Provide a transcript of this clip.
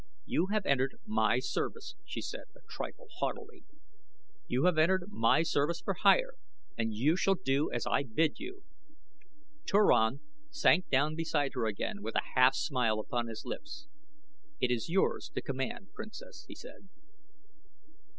"You have entered my service," she said, a trifle haughtily. "You have entered my service for hire and you shall do as I bid you." Turan sank down beside her again with a half smile upon his lips. "It is yours to command, Princess," he said.